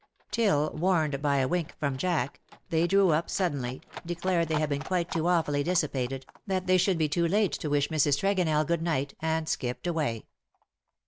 till^ warned by a wink from Jack, they drew up suddenly, declared they had been quite too awfully dissipated, that they should be too late to wish Mrs. Tregonell good night, and skipped away.